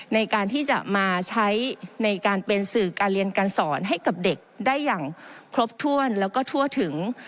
ในการที่จะมาใช้ในการเป็นสื่อการเรียนการสอนให้กับเด็กได้อย่างครบถ้วนแล้วก็ทั่วถึง